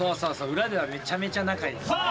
裏ではめちゃめちゃ仲いいんですよね。